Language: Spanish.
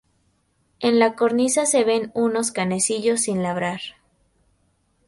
En la cornisa se ven unos canecillos sin labrar.